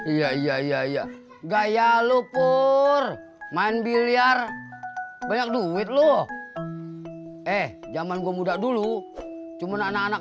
iya iya iya iya gaya lu pur main bilyar banyak duit loh eh jaman gua muda dulu cuma anak anak